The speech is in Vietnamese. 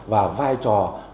và vai trò của các chủ thể khác